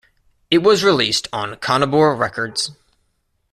It was released on Conabor Records.